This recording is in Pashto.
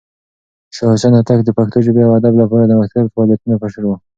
شاه حسين هوتک د پښتو ژبې او ادب لپاره د نوښتګران فعالیتونو مشر و.